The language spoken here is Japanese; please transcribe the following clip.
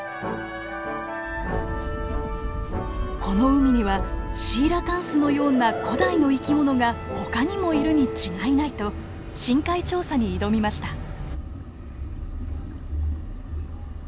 この海にはシーラカンスのような古代の生き物がほかにもいるに違いないと深海調査に挑みました。